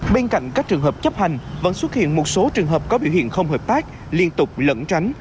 bên cạnh các trường hợp chấp hành vẫn xuất hiện một số trường hợp có biểu hiện không hợp tác liên tục lẫn tránh